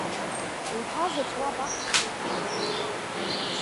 Лԥазаҵә уа абахҭаҟны дилабжьон иан.